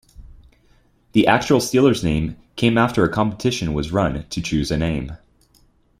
The actual 'Steelers' name came after a competition was run to choose a name.